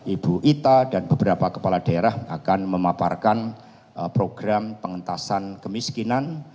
ibu ita dan beberapa kepala daerah akan memaparkan program pengentasan kemiskinan